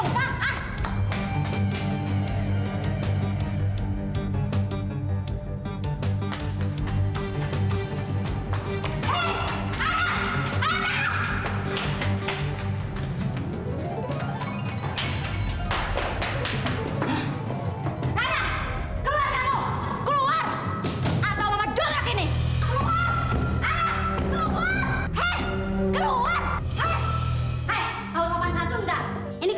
satu satunya harapan anak